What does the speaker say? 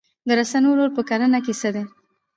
د رسنیو رول په کرنه کې څه دی؟